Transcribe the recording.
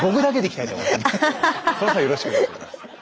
その際よろしくお願いします。